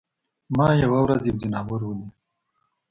ما یوه ورځ یو ځناور ولید.